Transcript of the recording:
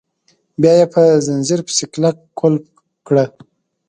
بیا یې په ځنځیر پسې کلک قلف کړه.